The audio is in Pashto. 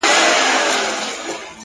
مخ به در واړوم خو نه پوهېږم;